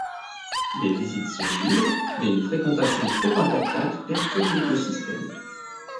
Les visites sont libres, mais une fréquentation trop importante perturbe l’écosystème.